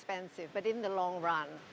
tapi dalam masa yang panjang